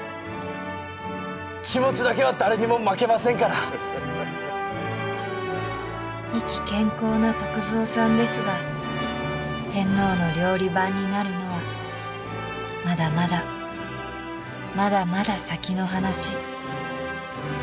気持ちだけは誰にも負けませんから意気軒こうな篤蔵さんですが天皇の料理番になるのはまだまだまだまだ先の話